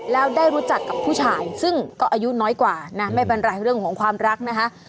แล้วได้รู้จักกับผู้ชายซึ่งก็อายุน้อยกว่านะไม่เป็นไรเรื่องของความรักนะคะ